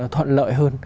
thuận lợi hơn